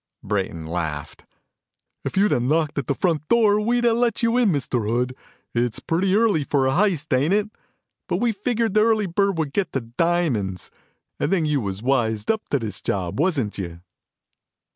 Brayton laughed. "If you'da knocked at the front door, we'd have let you in, Mr. Hood. It's pretty early, for a heist, ain't it? But we figured the early bird would get the diamonds. And then you was wised up to this job, wasn't you?"